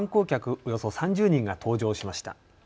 およそ３０人が搭乗しました。